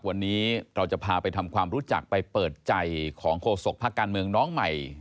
วันนี้เราจะพาไปทำความรู้จักไปเปิดใจของโฆษกภาคการเมืองน้องใหม่